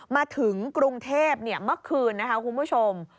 มาถึงกรุงเทพเมื่อคืนนะคะคุณผู้ชม